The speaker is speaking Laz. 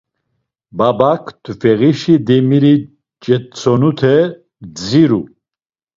Babak t̆ufeğişi demiri cetsonute dziru.